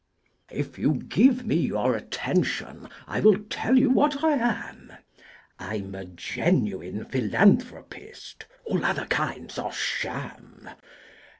If you give me your attention, I will tell you what I am: I'm a genuine philanthropist all other kinds are sham.